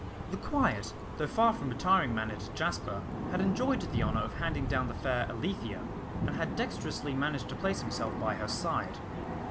The quiet, though far from retiring mannered Jasper had enjoyed the honour of handing down the fair Alethea, and had dexterously managed to place himself by her side.